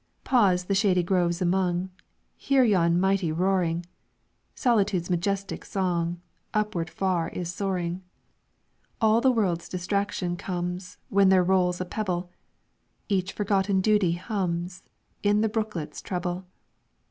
"Pause the shady groves among, Hear yon mighty roaring, Solitude's majestic song Upward far is soaring. All the world's distraction comes When there rolls a pebble; Each forgotten duty hums In the brooklet's treble.